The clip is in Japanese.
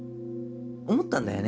思ったんだよね